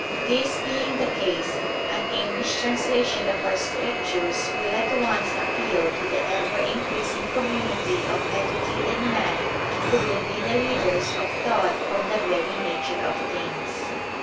This being the case, an English translation of our Scriptures will at once appeal to the ever increasing community of educated men who will be the leaders of thought from the very nature of things.